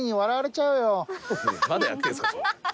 まだやってるんですか？